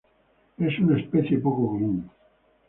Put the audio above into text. Es una especie poco común.